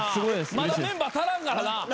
まだメンバー足らんからな。